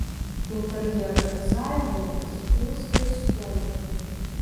Інтэр'ер зальны з плоскай столлю.